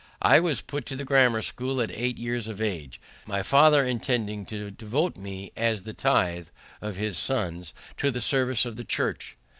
I was put to the grammar school at eight years of age, my father intending to devote me, as the tithe of his sons, to the service of the Church.